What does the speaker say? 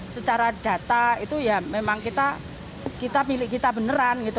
secara data itu ya memang kita milik kita beneran gitu